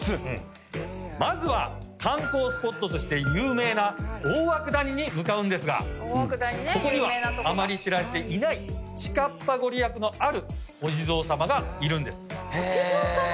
まずは観光スポットとして有名な大涌谷に向かうんですがここにはあまり知られていないちかっぱ御利益のあるお地蔵様がいるんです。